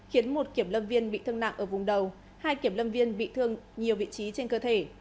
khiến một kiểm lâm viên bị thương nặng ở vùng đầu hai kiểm lâm viên bị thương nhiều vị trí trên cơ thể